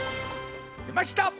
でました！